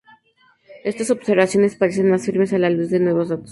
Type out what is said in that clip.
Estas observaciones parecen más firmes a la luz de nuevos datos.